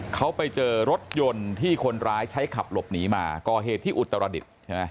เขาไปเจอรถยนต์ที่คนร้ายใช้ขับหลบหนีมาก่อเหตุที่อุตรดิษฐ์ใช่ไหม